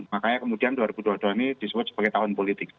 makanya kemudian dua ribu dua puluh dua ini disebut sebagai tahun politik